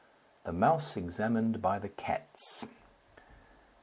THE MOUSE EXAMINED BY THE CATS.